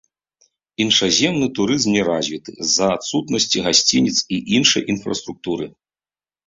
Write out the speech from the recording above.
Іншаземны турызм не развіты з-за адсутнасці гасцініц і іншай інфраструктуры.